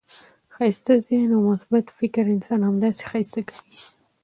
ښایسته ذهن او مثبت فکر انسان همداسي ښایسته کوي.